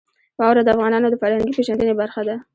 واوره د افغانانو د فرهنګي پیژندنې برخه ده.